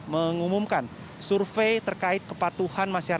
mengumumkan survei terkait kepatuhan masyarakat